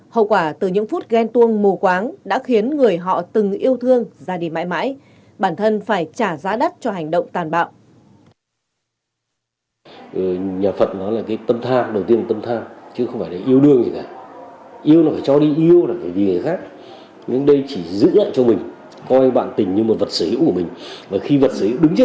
hậu quả từ những phút ghen tuông mù quáng đã khiến người họ từng yêu thương ra đi mãi mãi bản thân phải trả giá đắt cho hành động tàn bạo